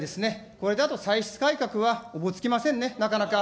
これだと歳出改革はおぼつきませんね、なかなか。